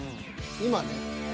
今ね。